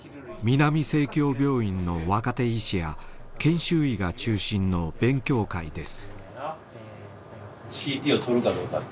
南生協病院の若手医師や研修医が中心の勉強会です。